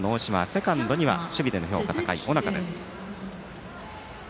セカンドには守備での評価が高い尾中です。